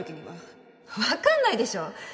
分かんないでしょ？